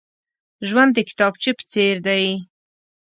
ژوند د کتابچې په څېر دی.